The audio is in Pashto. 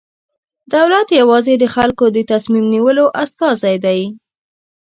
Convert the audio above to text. دولت یوازې د خلکو د تصمیم نیولو استازی دی.